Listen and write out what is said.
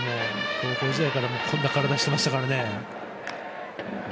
高校時代からこんな体してましたからね。